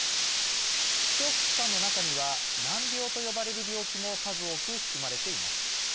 希少疾患の中には難病と呼ばれる病気も数多く含まれています。